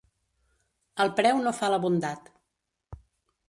El preu no fa la bondat.